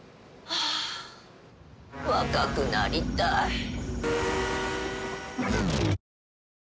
はあ若くなりたい！